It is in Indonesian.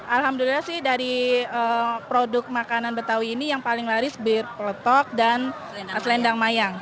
alhamdulillah sih dari produk makanan betawi ini yang paling laris bir peletok dan selendang mayang